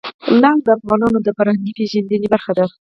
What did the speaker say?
لعل د افغانانو د فرهنګي پیژندنې برخه ده.